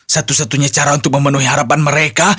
satu satunya cara untuk memenuhi harapan mereka